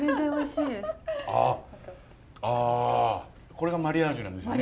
これがマリアージュなんですよね？